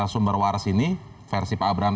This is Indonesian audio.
sumber waras ini versi pak abraham